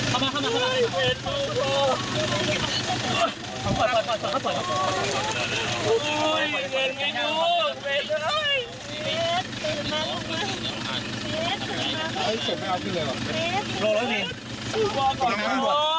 เข้ามาเข้ามาเข้ามา